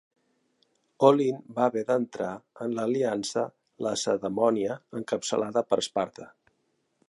Olint va haver d'entrar en l'aliança lacedemònia encapçalada per Esparta.